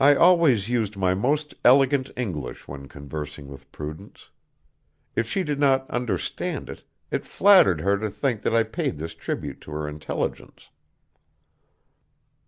I always used my most elegant English when conversing with Prudence. If she did not understand it, it flattered her to think that I paid this tribute to her intelligence.